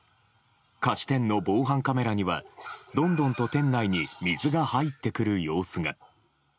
菓子店の防犯カメラには、どんどんと店内に水が入ってくる様子が。